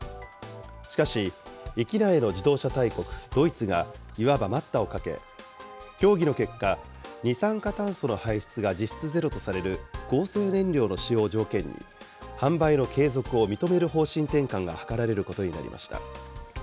しかし、域内の自動車大国、ドイツが、いわば待ったをかけ、協議の結果、二酸化炭素の排出が実質ゼロとされる合成燃料の使用を条件に、販売の継続を認める方針転換が図られることになりました。